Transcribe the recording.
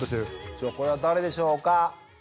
じゃあこれは誰でしょうか？